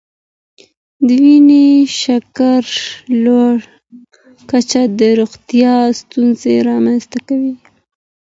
د وینې شکر لوړه کچه د روغتیا ستونزې رامنځته کوي.